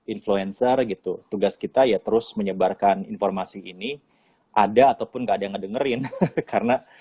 influencer gitu tugas kita ya terus menyebarkan informasi ini ada ataupun nggak ada yang ngedengerin karena